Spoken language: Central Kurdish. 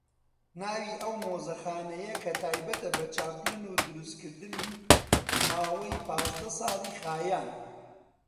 ناوی ئەو مۆزەخانەیە کە تایبەتە بە چاپلن و دروستکردنی ماوەی پازدە ساڵی خایاندووە